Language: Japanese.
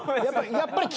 やっぱり。